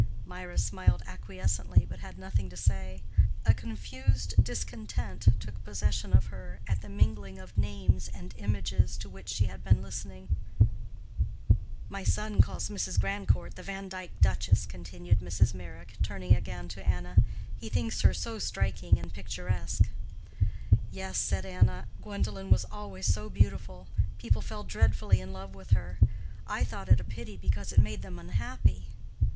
Mirah smiled acquiescently, but had nothing to say. A confused discontent took possession of her at the mingling of names and images to which she had been listening. "My son calls Mrs. Grandcourt the Vandyke duchess," continued Mrs. Meyrick, turning again to Anna; "he thinks her so striking and picturesque." "Yes," said Anna. "Gwendolen was always so beautiful—people fell dreadfully in love with her. I thought it a pity, because it made them unhappy."